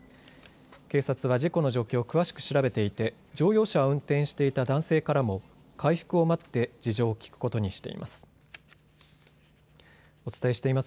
警察は事故の状況を詳しく調べていて乗用車を運転していた男性からも回復を待って事情を聞くことにしています。